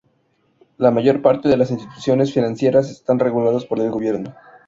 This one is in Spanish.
La mayor parte de las instituciones financieras están regulados por el gobierno.